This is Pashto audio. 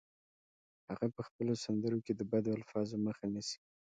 هغه په خپلو سندرو کې د بدو الفاظو مخه نیسي